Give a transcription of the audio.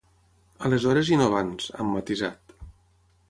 Aleshores i no abans, han matisat.